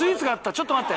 ちょっと待って。